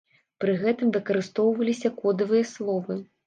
Пры гэтым выкарыстоўваліся кодавыя словы.